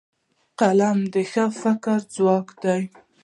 قلم د ښو فکرونو ځواک دی